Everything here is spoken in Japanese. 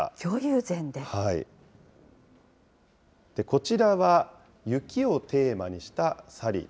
こちらは雪をテーマにしたサリー。